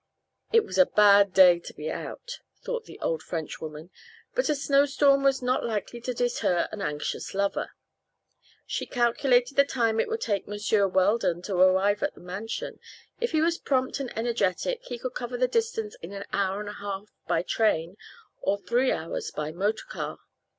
It was a bad day to be out, thought the old Frenchwoman; but a snowstorm was not likely to deter an anxious lover. She calculated the time it would take Monsieur Weldon to arrive at the mansion: if he was prompt and energetic he could cover the distance in an hour and a half by train or three hours by motor car.